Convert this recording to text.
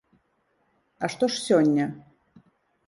А што ж сёння?